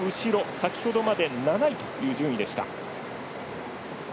先ほどまで７位という順位でした。